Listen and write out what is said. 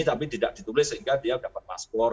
tapi tidak ditulis sehingga dia dapat paspor